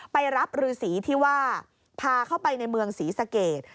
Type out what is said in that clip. ไปรับฤษีที่ว่าพาเข้าไปในเมืองศรีสะเกด